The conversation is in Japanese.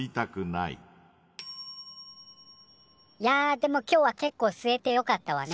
いやでも今日はけっこう吸えてよかったわね。